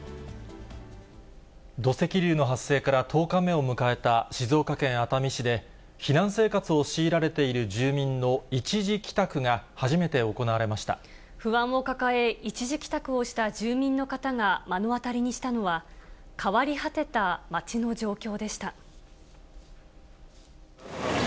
土石流の発生から１０日目を迎えた静岡県熱海市で、避難生活を強いられている住民の一時帰宅不安を抱え、一時帰宅をした住民の方が目の当たりにしたのは、変わり果てた町の状況でした。